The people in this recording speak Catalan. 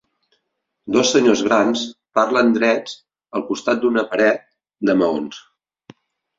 Dos senyors grans parlen drets al costat d'una paret de maons.